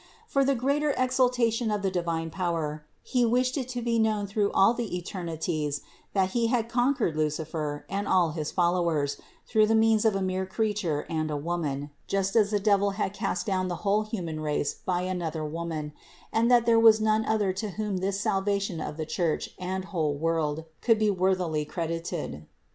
For the greater exaltation of the divine power He wished it to be known through all the eternities that He had conquered Lucifer and all his followers through means of a mere Creature and a Woman, just as the devil had cast down the whole human race by another woman, and that there was none other to whom this salvation of the Church and whole world could be worthily credited.